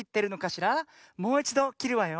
もういちどきるわよ。